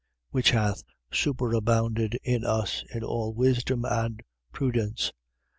Which hath superabounded in us, in all wisdom and prudence, 1:9.